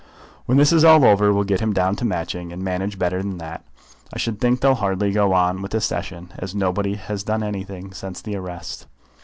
"When this is all over we'll get him down to Matching, and manage better than that. I should think they'll hardly go on with the Session, as nobody has done anything since the arrest.